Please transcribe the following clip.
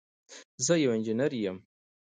زه یو انجنير یم.